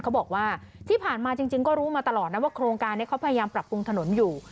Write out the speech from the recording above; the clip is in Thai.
เขาบอกว่าที่ผ่านมาจริงก็รู้มาตลอดนะว่าโครงการนี้เขาพยายามปรับปรุงถนนอยู่